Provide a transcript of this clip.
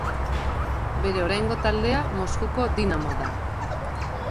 Bere oraingo taldea, Moskuko Dinamo da.